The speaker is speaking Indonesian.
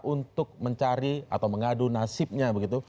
untuk mencari atau mengadu nasibnya begitu